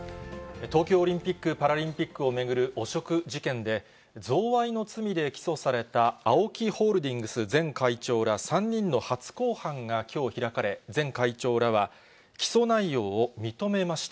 東京オリンピック・パラリンピックを巡る汚職事件で、贈賄の罪で起訴されたＡＯＫＩホールディングス前会長ら３人の初公判がきょう開かれ、前会長らは、起訴内容を認めました。